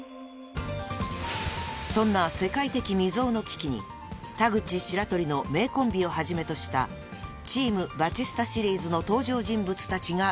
［そんな世界的未曽有の危機に田口・白鳥の名コンビをはじめとした『チーム・バチスタ』シリーズの登場人物たちが挑む］